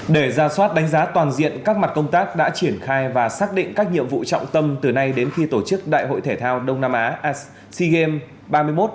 để ra soát đánh giá toàn diện các mặt công tác đã triển khai và xác định các nhiệm vụ trọng tâm từ nay đến khi tổ chức đại hội thể thao đông nam á sea games ba mươi một